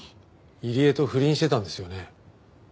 入江と不倫してたんですよね？